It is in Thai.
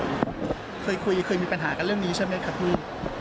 เคยคุยเคยมีปัญหากันเรื่องนี้ใช่ไหมครับพี่